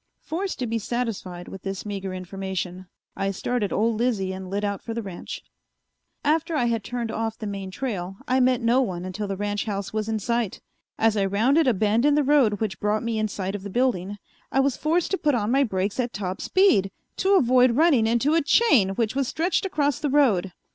Forced to be satisfied with this meager information, I started old Lizzie and lit out for the ranch. After I had turned off the main trail I met no one until the ranch house was in sight. As I rounded a bend in the road which brought me in sight of the building, I was forced to put on my brakes at top speed to avoid running into a chain which was stretched across the road.